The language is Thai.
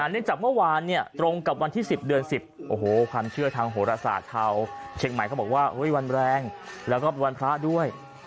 ในจับเมื่อวานตรงกับวันที่๑๐เดือน๑๐ความเชื่อทางโหรศาสตร์ที่เชียงใหม่บอกว่าวันแรงและวันพระด้วย